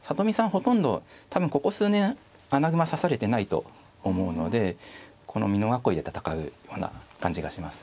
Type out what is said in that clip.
ほとんど多分ここ数年穴熊指されてないと思うのでこの美濃囲いで戦うような感じがします。